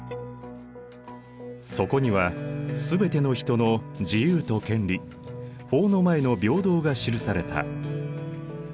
そこには全ての人の自由と権利法の前の平等が記された。